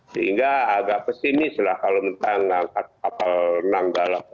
sehingga agak pesimis lah kalau kita angkat kapal nanggala ke atas